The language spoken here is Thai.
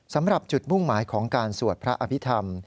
สำหรับจุดมุ่งหมายของการสวดพระอภิษฐรรม